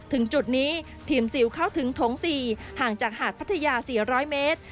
ถึงจุดนี้ทีมซิลเข้าถึงโถง๔ห่างจากหาดพัทยา๔๐๐เมตร